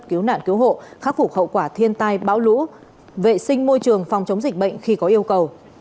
cứu nạn cứu hộ khắc phục hậu quả thiên tai bão lũ vệ sinh môi trường phòng chống dịch bệnh khi có yêu cầu